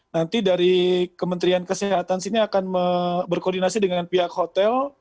nanti dari kementerian kesehatan sini akan berkoordinasi dengan pihak hotel